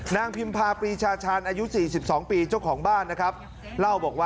นางพิมพาปริชาชันอายุ๔๒ปีเจ้าของบ้านนะครับ